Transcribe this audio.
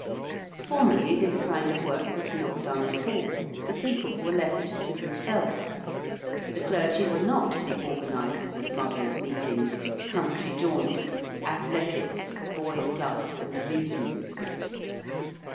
Formerly this kind of work was not done at all; the people were left to themselves: the clergy were not the organisers of mothers' meetings, country jaunts, athletics, boys' clubs, and amusements.